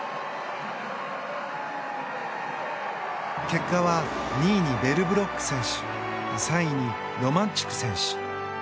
結果は２位にベルブロック選手３位にロマンチュク選手。